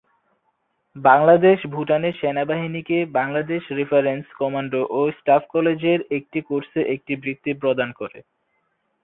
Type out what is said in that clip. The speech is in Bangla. বাংলাদেশ ভুটানের সেনাবাহিনীকে বাংলাদেশ রেফারেন্স কমান্ড ও স্টাফ কলেজের একটি কোর্সে একটি বৃত্তি প্রদান করে।